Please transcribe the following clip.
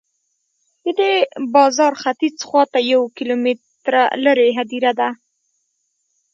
د دې بازار ختیځ خواته یو کیلومتر لرې هدیره ده.